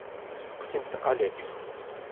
Steqsimt Alex.